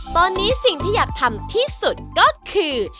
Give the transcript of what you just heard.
ตอนนี้สิ่งที่อยากทำที่สุดก็คือ